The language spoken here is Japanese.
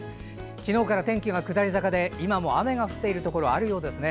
昨日から天気は下り坂で今も雨が降っているところがあるようですね。